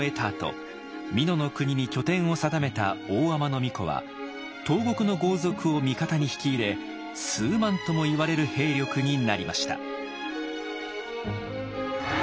あと美濃国に拠点を定めた大海人皇子は東国の豪族を味方に引き入れ数万ともいわれる兵力になりました。